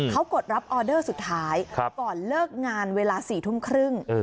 เขากดรับออเดอร์สุดท้ายก่อนเลิกงานเวลา๔ทุ่มครึ่ง